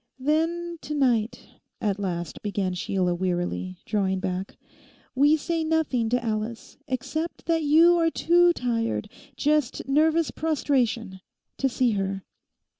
'Then, to night,' at last began Sheila wearily, drawing back, 'we say nothing to Alice, except that you are too tired—just nervous prostration—to see her.